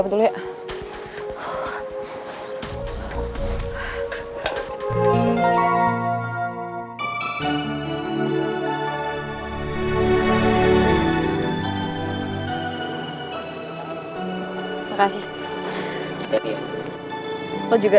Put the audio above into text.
beberapa aja nggak kegigilan